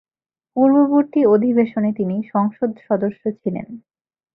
পূর্ববর্তী অধিবেশনে তিনি সংসদ সদস্য ছিলেন।